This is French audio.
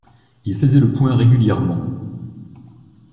Il faisait le point régulièrement.